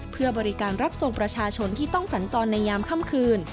เพื่อบริการรับส่งประชาชนที่ต้องสัญจรในยามค่ำคืน